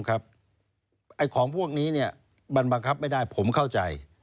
ของพวกนี้มันบังคับไม่ได้ผมเข้าใจ